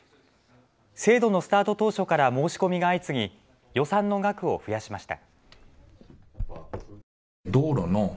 制度のスタート当初から申し込みが相次ぎ予算の額を増やしました。